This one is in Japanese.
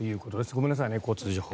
ごめんなさいね、交通情報。